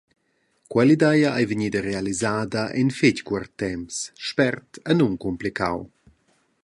Quell’idea ei vegnida realisada en fetg cuort temps, spert e nuncumplicau.